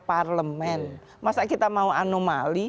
parlemen masa kita mau anomali